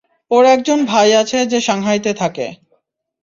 ওর একজন ভাই আছে যে শাংহাইতে থাকে।